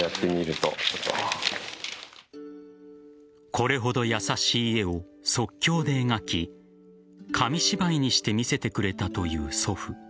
これほど優しい絵を即興で描き紙芝居にして見せてくれたという祖父。